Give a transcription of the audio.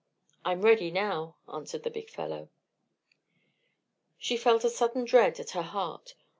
"I'm ready now," answered the big fellow. She felt a sudden dread at her heart.